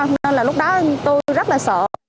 nên là lúc đó tôi rất là sợ